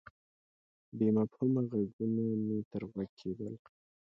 بې مفهومه ږغونه مې تر غوږ کېدل.